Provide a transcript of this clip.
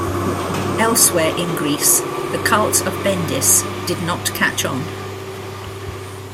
Elsewhere in Greece, the cult of Bendis did not catch on.